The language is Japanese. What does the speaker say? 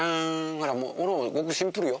ほらもうごくシンプルよ。